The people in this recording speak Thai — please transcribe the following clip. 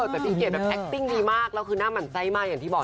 แต่พี่เกดแบบแอคติ้งดีมากแล้วคือหน้าหมั่นไส้มากอย่างที่บอก